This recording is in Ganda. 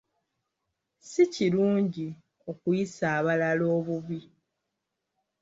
Si kirungi okuyisa abalala obubi.